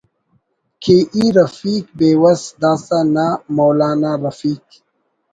کہ ای رفیق بے وس داسہ نا مولانا رفیق